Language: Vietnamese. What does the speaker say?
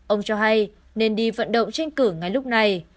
ông cho hay nên đi vận động tranh cử ngay lúc này